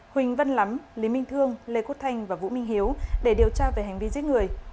huỳnh văn lắm lý minh thương lê quốc thanh và vũ minh hiếu để điều tra về hành vi giết người